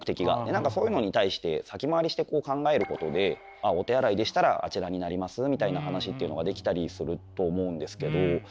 何かそういうのに対して先回りしてこう考えることで「お手洗いでしたらあちらになります」みたいな話っていうのができたりすると思うんですけど。